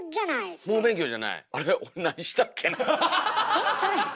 えっそれ。